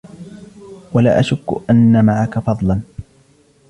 ولا أشك أن معك فضلا